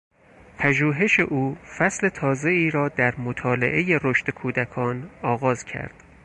پژوهش او فصل تازهای را در مطالعهی رشد کودکان آغاز کرد.